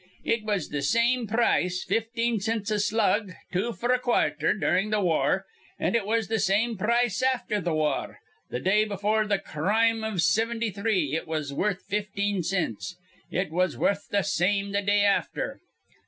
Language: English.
It was th' same price fifteen cints a slug, two f'r a quarther durin' the war; an' it was th' same price afther the war. The day befure th' crime iv sivinty three it was worth fifteen cints: it was worth th' same th' day afther.